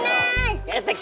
dapet dong nih